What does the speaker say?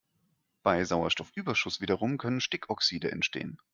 Bei Sauerstoffüberschuss wiederum können Stickoxide entstehen.